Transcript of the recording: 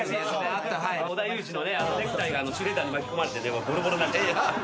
織田裕二のねネクタイがシュレッダーに巻き込まれてぼろぼろになっちゃう。